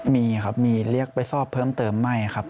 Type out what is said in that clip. มีครับมีเรียกไปสอบเพิ่มเติมไม่ครับ